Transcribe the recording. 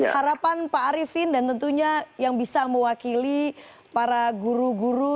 harapan pak arifin dan tentunya yang bisa mewakili para guru guru